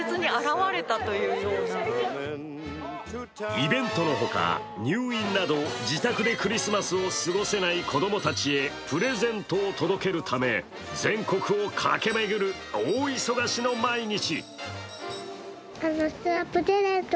イベントのほか、入院など自宅でクリスマスを過ごせない子供たちへプレゼントを届けるため全国を駆け巡る大忙しの毎日。